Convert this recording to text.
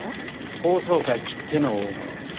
法曹界きっての大物。